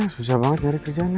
susah banget nyari kerjaannya